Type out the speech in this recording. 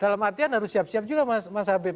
dalam artian harus siap siap juga mas habib